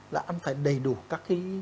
là ăn phải đầy đủ các cái